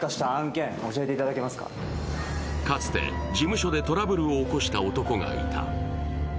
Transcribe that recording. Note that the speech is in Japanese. かつて事務所でトラブルを起こした男がいた。